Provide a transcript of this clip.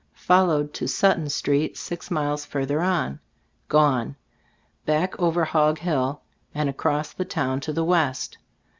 Followed to "Sutton Street," six miles further on. "Gone." Back over "Hog Hill" and across the town to the west.